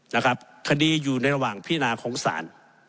นะครับคดีอยู่ในระหว่างพินาของศาล